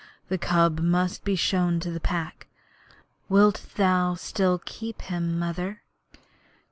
The cub must be shown to the Pack. Wilt thou still keep him, Mother?'